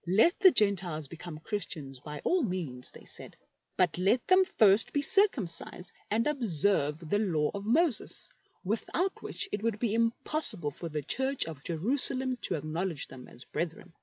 Let the GentEes become Christians by all means, they said, but let them first be circumcised and observe the Law of Moses, without which it would be impossible for the Church of Jerusalem to acknowledge them as brethren.